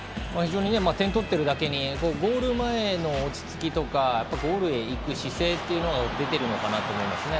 点を取っているだけにゴール前の落ち着きとかゴールへ行く姿勢というのが出ているのかなと思いますね。